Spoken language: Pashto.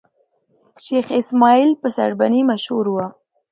شېخ اسماعیل په سړبني مشهور وو.